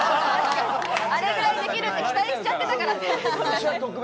あれだけできるって期待しちゃってたからね。